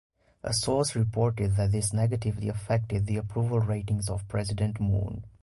A source reported that this negatively affected the approval ratings of President Moon.